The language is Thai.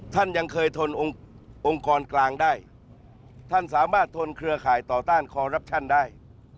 ท่านยังเคยทนองค์กรกลางได้ท่านสามารถทนเครือข่ายต่อต้านคอรับชันได้